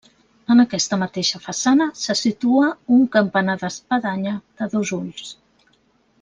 En aquesta mateixa façana se situa un campanar d'espadanya de dos ulls.